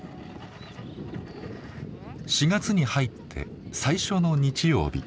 ４月に入って最初の日曜日。